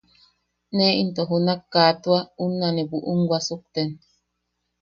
Ne into junak, kaa tua, unna ne buʼum wasukten.